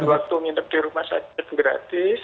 waktu nginep di rumah sakit gratis